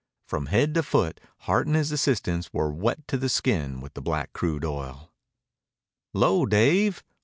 From head to foot Hart and his assistants were wet to the skin with the black crude oil. "'Lo, Dave!